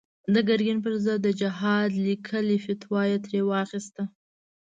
د ګرګين پر ضد د جهاد ليکلې فتوا يې ترې واخيسته.